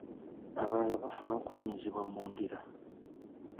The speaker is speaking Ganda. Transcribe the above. Abalala bafuna okulumizibwa mu ndira.